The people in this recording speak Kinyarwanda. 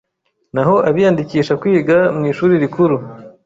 naho abiyandikisha kwiga mu Ishuri rikuru